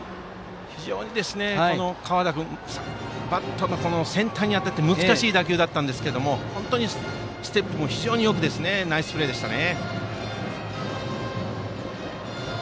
非常に河田君バットの先端に当たった難しい打球だったんですが本当にステップも非常によくてナイスプレーでしたね。